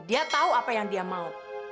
dia tahu apa yang dia mau